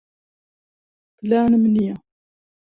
پلانم نییە.